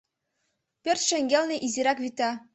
Пӧрт шеҥгелне изирак вӱта.